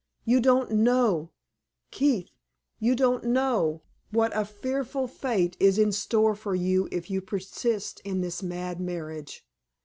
You don't know Keith, you don't know what a fearful fate is in store for you if you persist in this mad marriage.